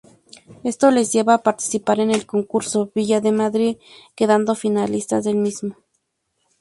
Esto les lleva participar en el concurso Villa de Madrid, quedando finalistas del mismo.